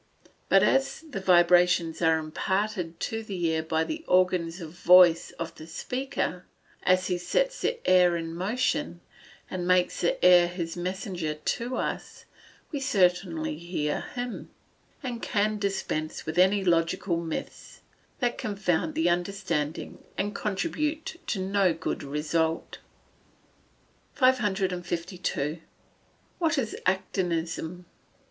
But as the vibrations are imparted to the air by the organs of voice of the speaker, as he sets the air in motion, and makes the air his messenger to us, we certainly hear him, and can dispense with any logical myths that confound the understanding, and contribute to no good result. 552. _What is actinism?